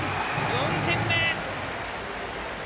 ４点目！